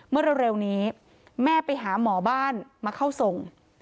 เมื่อเร็วนี้แม่ไปหาหมอบ้านมาเข้าทรง